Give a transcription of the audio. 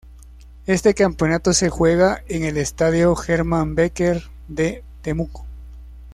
Este campeonato se juega en el Estadio Germán Becker de Temuco.